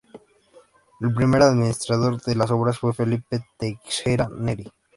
El primer administrador de las obras fue Felipe Teixeira Neri.